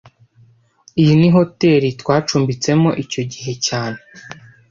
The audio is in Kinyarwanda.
Iyi ni hoteri twacumbitsemo icyo gihe cyane